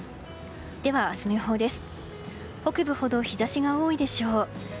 では明日の予報です。